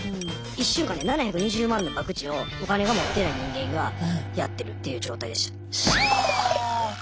１週間で７２０万の博打をお金を持ってない人間がやってるっていう状態でした。